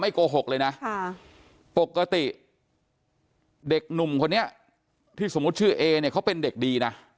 โกหกเลยนะปกติเด็กหนุ่มคนนี้ที่สมมุติชื่อเอเนี่ยเขาเป็นเด็กดีนะ